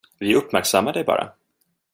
Vi uppmärksammar dig bara.